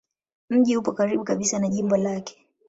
Mji upo karibu kabisa na jimbo lake.